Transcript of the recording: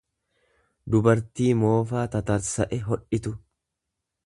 dubartii moofaa tatarsa'e hodhitu.